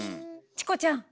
チコちゃん！